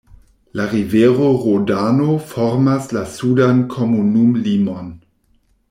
La rivero Rodano formas la sudan komunumlimon.